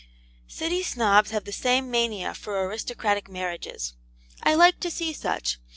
City Snobs have the same mania for aristocratic marriages. I like to see such.